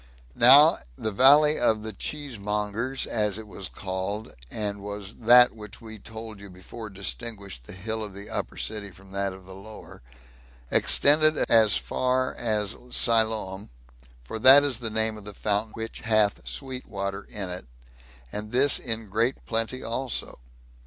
Now the Valley of the Cheesemongers, as it was called, and was that which we told you before distinguished the hill of the upper city from that of the lower, extended as far as Siloam; for that is the name of a fountain which hath sweet water in it, and this in great plenty also.